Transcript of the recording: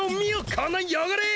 このよごれ！